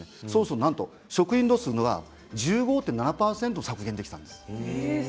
そうするとなんと食品ロスは１５．７％削減できたんです。